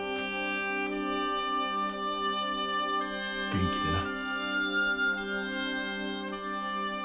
元気でな。